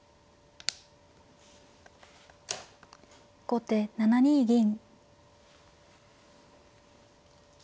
後手７二銀。